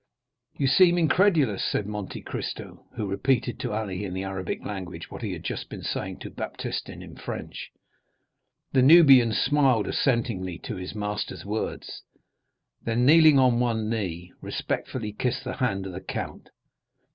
"You seem incredulous," said Monte Cristo, who repeated to Ali in the Arabic language what he had just been saying to Baptistin in French. The Nubian smiled assentingly to his master's words, then, kneeling on one knee, respectfully kissed the hand of the count.